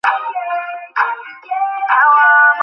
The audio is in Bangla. আমার মন খারাপ হয়ে আছে।